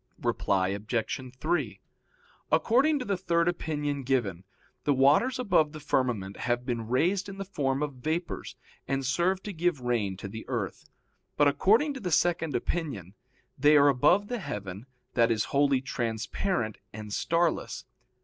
Reply Obj. 3: According to the third opinion given, the waters above the firmament have been raised in the form of vapors, and serve to give rain to the earth. But according to the second opinion, they are above the heaven that is wholly transparent and starless.